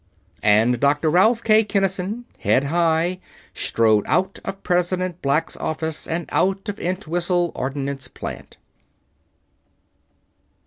And Doctor Ralph K. Kinnison, head high, strode out of President Black's office and out of Entwhistle Ordnance Plant.